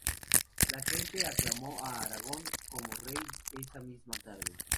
La gente aclamó a Aragorn como Rey esa misma tarde.